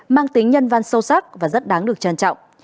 mang tính nhân văn sâu sắc và rất đáng được trân trọng